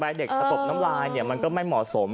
เด็กตะตบน้ำลายเนี่ยมันก็ไม่เหมาะสม